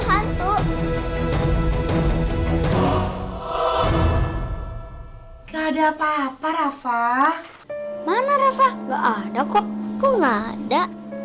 hai ga ada apa apa rafa mana rafa enggak ada kok enggak ada